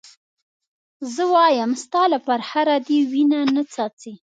زه وایم ستا له پرهره دې وینه نه څاڅي.